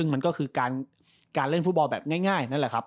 มันก็คือการเล่นฟุตบอลแบบง่ายนั่นแหละครับ